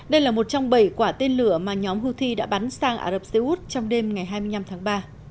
đó là một tên lửa mà nhóm houthi đã bắn sang ả rập xê út trong đêm ngày hai mươi năm tháng ba